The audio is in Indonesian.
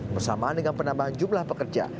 bersamaan dengan penambahan jumlah pekerja